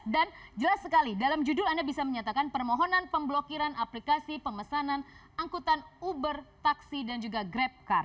dua ribu enam belas dan jelas sekali dalam judul anda bisa menyatakan permohonan pemblokiran aplikasi pemesanan angkutan uber taksi dan juga grab car